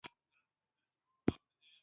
د اوږې د درد لپاره کومه کڅوړه وکاروم؟